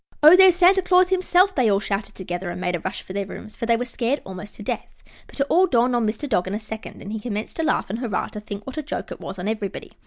"Oh, there's Santa Claus himself!" they all shouted together, and made a rush for their rooms, for they were scared almost to death. But it all dawned on Mr. Dog in a second, and he commenced to laugh and hurrah to think what a joke it was on everybody.